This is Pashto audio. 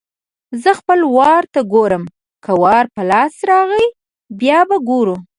زه خپل وار ته ګورم؛ که وار په لاس راغی - بیا به ګورو.